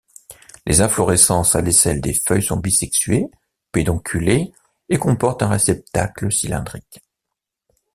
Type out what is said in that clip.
Les inflorescences à l'aisselle des feuilles sont bisexuées, pédonculées et comportent un réceptacle cylindrique.